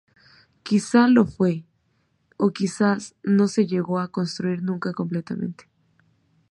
Quizá lo fue, o quizás no se llegó a construir nunca completamente.